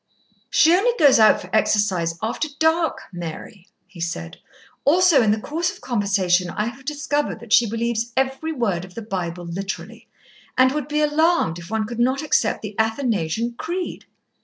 "She only goes out for exercise after dark, Mary," he said. "Also in the course of conversation I have discovered that she believes every word of the Bible literally, and would be alarmed if one could not accept the Athanasian Creed.